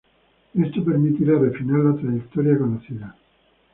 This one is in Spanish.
Eso permitirá refinar la trayectoria conocida.